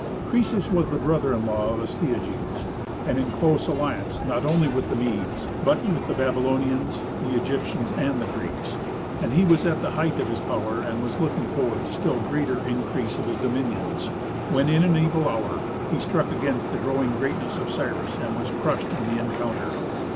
Croesus was the brother in law of Astyages, and in close alliance not only with the Medes, but with the Babylonians, the Egyptians, and the Greeks; and he was at the height of his power and was looking forward to still greater increase of his dominions, when in an evil hour he struck against the growing greatness of Cyrus, and was crushed in the encounter.